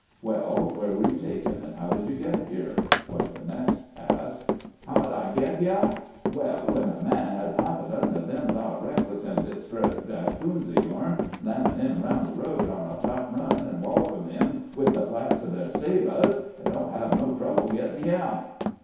" "Well, where were you taken, and how did you get here ?" was next asked. " How did I get h'yah ! Well, when a man has half a dozen o' them thah reckless and desp'rit dragoons o' yourn lammin' him along the road on a tight run, and wallopin' him with the flats o' thah sabahs, he don't have no trouble gittin' h'yah."